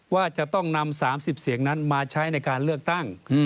ว่าจะต้องนำ๓๐เสียงนั้นมาใช้ในการเลือกตั้ง